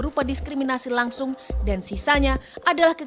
lupakan kamu masih menggunakan akal